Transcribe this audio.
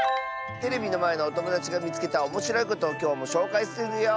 テレビのまえのおともだちがみつけたおもしろいことをきょうもしょうかいするよ！